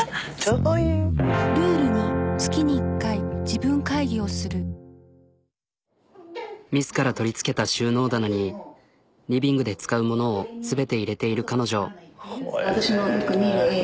自ら取り付けた収納棚にリビングで使うものを全て入れている彼女。